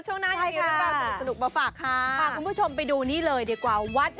ใช่ค่ะเดียวห้องหรอกสนุกมาฝากค่ะฮะคุณผู้ชมไปดูนี่เลยดีกว่า